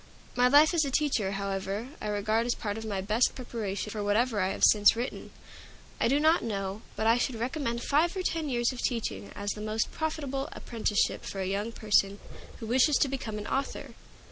My life as a teacher, however, I regard as part of my best preparation for whatever I have since written. I do not know but I should recommend five or ten years of teaching as the most profitable apprenticeship for a young person who wished to become an author.